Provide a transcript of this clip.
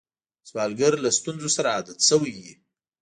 سوالګر له ستونزو سره عادت شوی وي